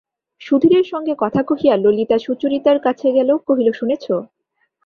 সুধীরের সঙ্গে কথা কহিয়া ললিতা সুচরিতার কাছে গেল, কহিল, শুনেছ?